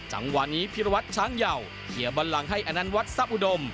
จังหวัดนี้พิรวัตรช้างเยาว์เฮียบรรลังให้อนันวัตรทรัพย์อุดม